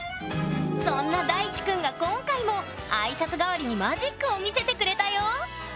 そんな大智くんが今回も挨拶代わりにマジックを見せてくれたよ！